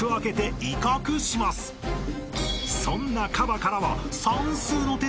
［そんなカバからは］